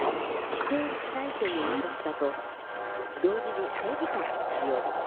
否定しないという優しさと同時に正義感も強い。